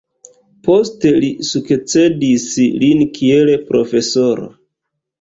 Poste li sukcedis lin kiel profesoro.